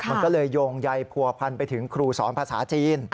มันก็เลยโยงใยผัวพันไปถึงครูสอนภาษาจีน